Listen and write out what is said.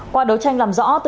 qua đối tranh làm rõ